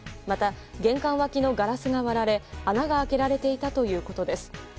また玄関脇のガラスが割られ穴が開けられていたということです。